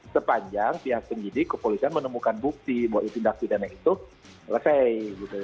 sepanjang pihak penyidik kepolisian menemukan bukti bahwa tindak pidana itu selesai